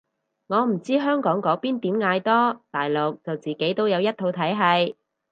我唔知香港嗰邊點嗌多，大陸就自己都有一套體係